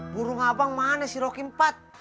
burung abang mana sih rokimpat